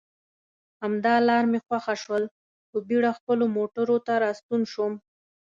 همدا لار مې خوښه شول، په بېړه خپلو موټرو ته راستون شوم.